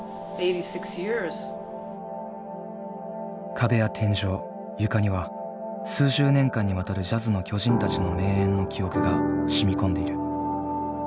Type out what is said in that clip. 壁や天井床には数十年間にわたるジャズの巨人たちの名演の記憶が染み込んでいる。